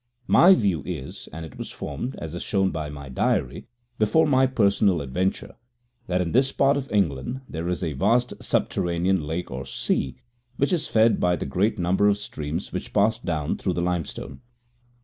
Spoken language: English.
My view is and it was formed, as is shown by my diary, before my personal adventure that in this part of England there is a vast subterranean lake or sea, which is fed by the great number of streams which pass down through the limestone.